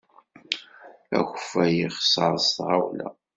Akeffay ixeṣṣer s tɣawla?